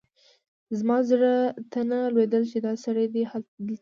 زما زړه ته نه لوېدل چې دا سړی دې دلته وي.